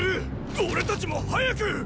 俺たちも早くっ！